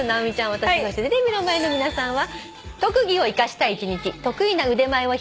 私そしてテレビの前の皆さんは。